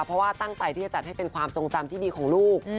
เพราะว่าตั้งใจที่จะจัดให้เป็นความทรงจำที่ดีของลูก